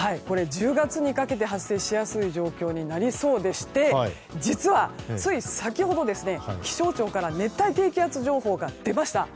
１０月にかけて発生しやすい状況になりそうでして実は、つい先ほど気象庁から熱帯低気圧情報が出ました。